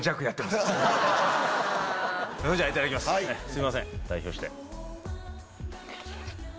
すいません代表して。